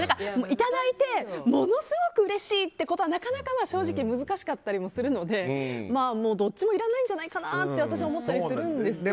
いただいてものすごくうれしいってことはなかなか正直難しかったりもするのでどっちもいらないんじゃないかと私は思ったりするんですけどね。